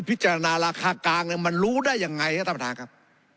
พิจารณาราคากลางมันรู้ได้ยังไงครับ